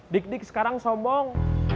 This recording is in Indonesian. dik dik sekarang sombong